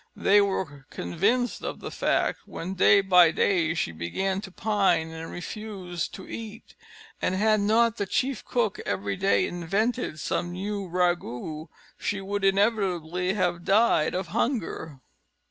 They were convinced of the fact, when day by day she began to pine and refused to eat; and had not the chief cook every day invented some new ragout, she would inevitably have died of hunger.